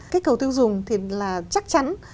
kích cầu tiêu dùng thì là chắc chắn